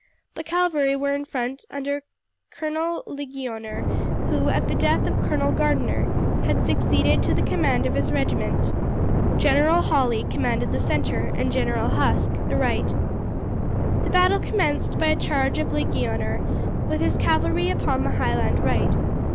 The cavalry were in front under Colonel Ligonier, who, at the death of Colonel Gardiner, had succeeded to the command of his regiment. General Hawley commanded the centre and General Huske the right. The battle commenced by a charge of Ligonier with his cavalry upon the Highland right.